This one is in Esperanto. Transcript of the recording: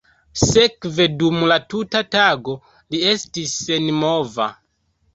Sekve dum la tuta tago li estis senmova.